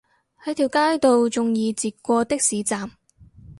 喺條街度仲易截過的士站